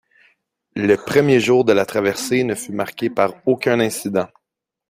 Le premier jour de la traversée ne fut marqué par aucun incident.